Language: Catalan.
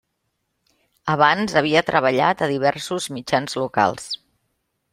Abans havia treballat a diversos mitjans locals.